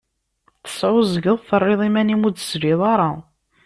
Tesεuẓẓgeḍ, terriḍ iman-im ur d-tesliḍ ara.